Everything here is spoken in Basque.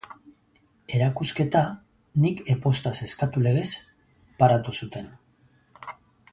Erakusketa nik e-postaz eskatu legez paratu zuten.